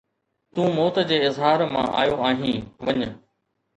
تون موت جي اظهار مان آيو آهين، وڃ